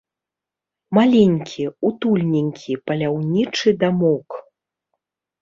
Маленькі, утульненькі паляўнічы дамок.